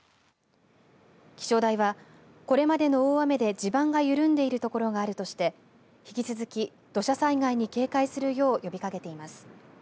気象台は、これまでの大雨で地盤が緩んでいる所があるとして引き続き土砂災害に警戒するよう呼びかけています。